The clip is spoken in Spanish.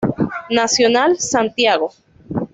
Nacional, Santiago.